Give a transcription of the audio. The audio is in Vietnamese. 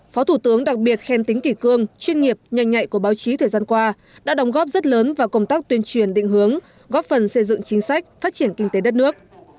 phó thủ tướng đặc biệt khen tính kỷ cương chuyên nghiệp nhanh nhạy của báo chí thời gian qua đã đồng góp rất lớn vào công tác tuyên truyền định hướng góp phần xây dựng chính sách phát triển kinh tế đất nước